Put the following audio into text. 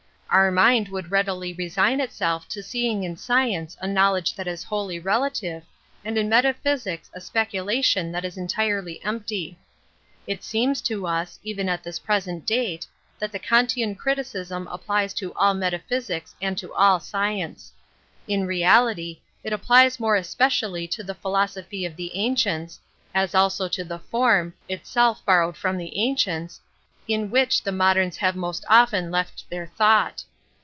Our mind would readily re sign itself to seeing in science a knowledge that is wholly relative, and in metaphysics a speculation that is entirely empty. It seems to us, even at this present date, that the Kantian criticism applies to all meta physics and to all science. In reality, it applies more especially to the philosophy of the ancients, as also to the form — itself borrowed from the ancients — in which the moderns have most often left their thought.